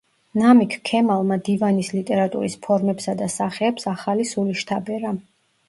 ნამიქ ქემალმა დივანის ლიტერატურის ფორმებსა და სახეებს ახალი სული შთაბერა.